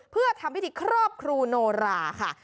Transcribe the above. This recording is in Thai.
เพื่อทำพิธีครอบครูโนราค่ะ